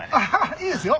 いいですよ。